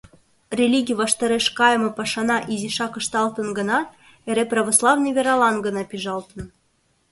Религий ваштареш кайыме пашана изишак ышталтын гынат, эре православный вералан гына пижалтын.